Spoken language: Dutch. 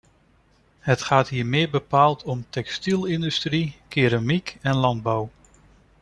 Het gaat hier meer bepaald om textielindustrie, ceramiek en landbouw.